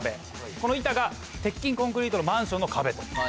この板が鉄筋コンクリートのマンションの壁と。